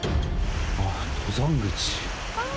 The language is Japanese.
あっ登山口。